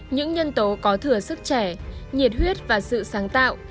những nhân tố có thừa sức trẻ nhiệt huyết và sự sáng tạo